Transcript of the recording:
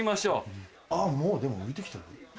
もうでも浮いて来てる？